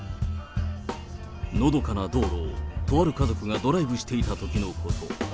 のどかな道路を、とある家族がドライブしていたときのこと。